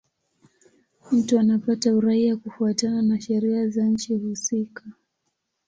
Mtu anapata uraia kufuatana na sheria za nchi husika.